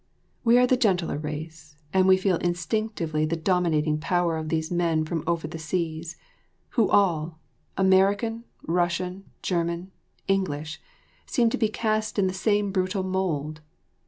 We are the gentler race, and we feel instinctively the dominating power of these men from over the seas, who all, American, Russian, German, English, seem to be cast in the same brutal mould.